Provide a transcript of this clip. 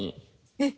えっ！